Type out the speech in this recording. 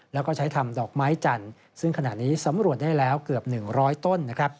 แล้วก็ใช้ทำดอกไม้จันทร์ซึ่งขณะนี้สำรวจได้แล้วเกือบ๑๐๐ต้นนะครับ